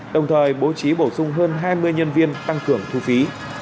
đồng thời bố trí bổ sung hơn hai mươi nhân viên tăng cường thu phí